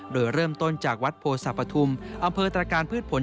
โดยเริ่มต้นจากวัดโพสะปฐุมอำเภอตรการพืชผล